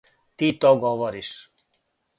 Ти то говориш!